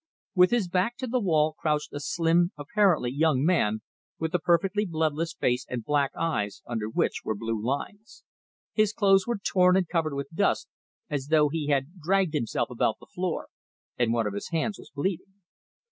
With his back to the wall crouched a slim, apparently young man, with a perfectly bloodless face and black eyes under which were blue lines. His clothes were torn and covered with dust, as though he had dragged himself about the floor, and one of his hands was bleeding.